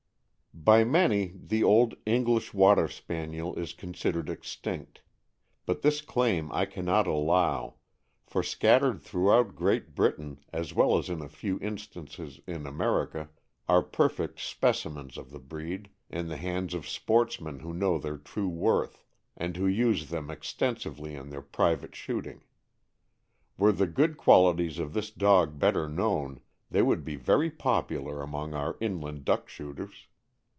Y many the old English Water Spaniel is considered extinct, but this claim I can not allow, for scattered throughout Great Britain, as well as in a few instances in America, are perfect specimens of the breed, in the hands of sportsmen who know their true worth, and who use them extensively in their private shoot ing. Were the good qualities of this dog better known, they would be very popular among our inland duck shooters.